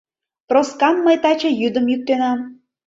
Проскам мый таче йӱдым йӱктенам...